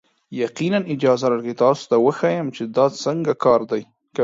یقینا، اجازه راکړئ تاسو ته وښیم چې دا څنګه کار کوي.